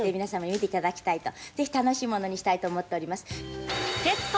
ぜひ楽しいものにしたいと思っております。